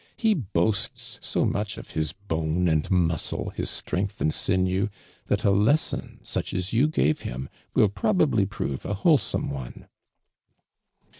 Ho l)oasts so much of his bone and muscle, his strength and sinew, that a lesson such as you gave him will probably prove a wholesome one.'